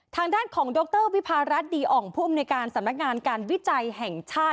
ทางด้านของดรวิพารัฐดีอ่องผู้อำนวยการสำนักงานการวิจัยแห่งชาติ